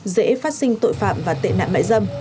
dễ phát sinh tội phạm và tệ nạn bãi dâm